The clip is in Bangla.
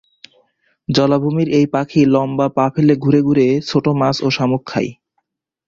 জলাভূমির এ পাখি লম্বা পা ফেলে ঘুরে ঘুরে ছোট মাছ ও শামুক খায়।